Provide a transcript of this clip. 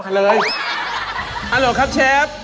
มาเลยฮัลโหลครับเชฟ